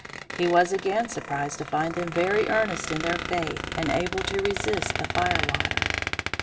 He was again surprised to find them very earnest in their faith and able to resist the fire water.